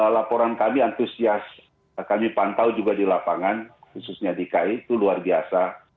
laporan kami antusias kami pantau juga di lapangan khususnya dki itu luar biasa